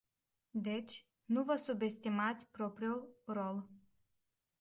Deci, nu vă subestimați propriul rol.